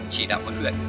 chỉ đạo huấn luyện